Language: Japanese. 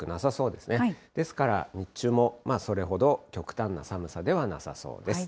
ですから、日中もそれほど極端な寒さではなさそうです。